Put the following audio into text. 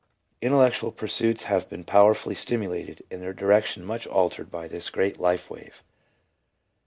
Intellectual pursuits have been powerfully stimulated and their direction much altered by this great life wave.